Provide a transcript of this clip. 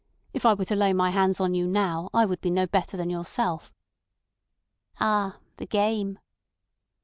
"If I were to lay my hands on you now I would be no better than yourself." "Ah! The game!